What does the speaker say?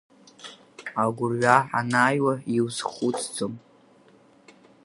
Агәырҩа анааиуа иузхәыцӡом…